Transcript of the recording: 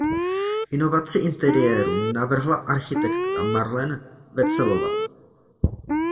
Inovaci interiéru navrhla architektka Marlene Wetzelová.